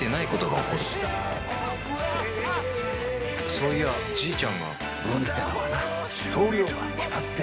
そういやじいちゃんが運ってのはな量が決まってるんだよ。